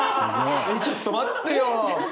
ちょっと待ってよ